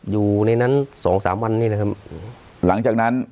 อยู่ในนั้นสองสามวันนี้นะครับหลังจากนั้น